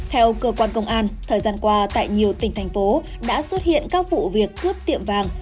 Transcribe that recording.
theo cơ quan công an thời gian qua tại nhiều tỉnh thành phố đã xuất hiện các vụ việc cướp tiệm vàng